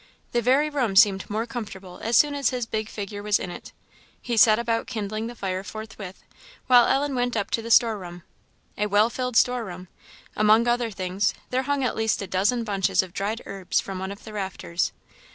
The very room seemed more comfortable as soon as his big figure was in it. He set about kindling the fire forthwith, while Ellen went up to the store room. A well filled store room! Among other things, there hung at least a dozen bunches of dried herbs from one of the rafters.